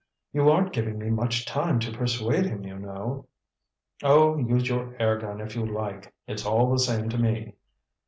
You aren't giving me much time to persuade him, you know." "Oh, use your air gun if you like. It's all the same to me!"